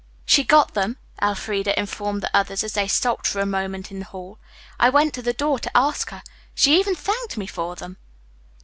"She got them," Elfreda informed the others as they stopped for a moment in the hall. "I went to the door to ask her. She even thanked me for them."